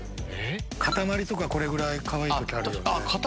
かたまりとかこれぐらいかわいい時ある。